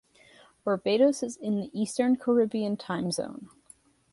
Barbados is in the Eastern Caribbean Time Zone.